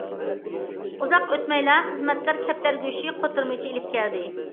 ئۇزاق ئۆتمەيلا خىزمەتكار كەپتەر گۆشى قوتۇرمىچى ئېلىپ كەلدى.